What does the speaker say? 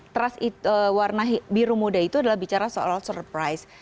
trust warna biru muda itu adalah bicara soal surprise